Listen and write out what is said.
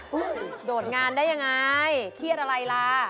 โดดงานได้ยังไงเครียดอะไรล่ะ